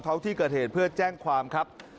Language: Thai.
เขาที่เกิดเหตุเพื่อแจ้งความครับ